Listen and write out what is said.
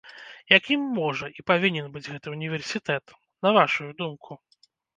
Якім можа і павінен быць гэты ўніверсітэт, на вашую думку?